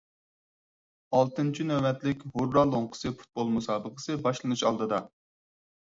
ئالتىنچى نۆۋەتلىك «ھۇررا» لوڭقىسى پۇتبول مۇسابىقىسى باشلىنىش ئالدىدا.